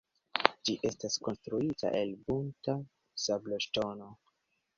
Ĝi estis konstruita el bunta sabloŝtono.